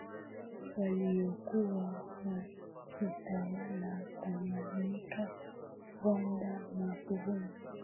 waliokuwa wakitawala Tanganyika Rwanda na Burundi